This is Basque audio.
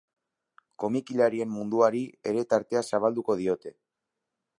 Komikiaren munduari ere tartea zabalduko diote.